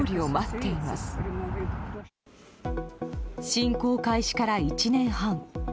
侵攻開始から１年半。